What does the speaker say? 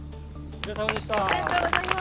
お疲れさまです。